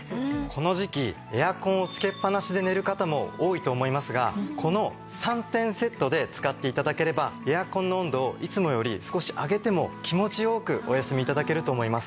この時季エアコンをつけっぱなしで寝る方も多いと思いますがこの３点セットで使って頂ければエアコンの温度をいつもより少し上げても気持ち良くお休み頂けると思います。